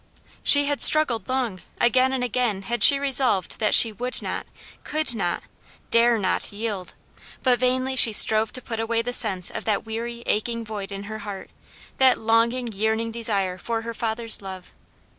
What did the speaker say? She had struggled long; again and again had she resolved that she would not, could not, dare not yield! but vainly she strove to put away the sense of that weary, aching void in her heart that longing, yearning desire for her father's love.